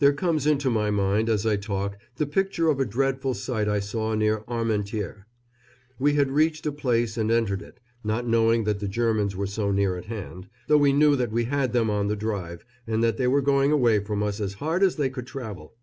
There comes into my mind as I talk the picture of a dreadful sight I saw near Armentières. We had reached a place and entered it, not knowing that the Germans were so near at hand, though we knew that we had them on the drive and that they were going away from us as hard as they could travel.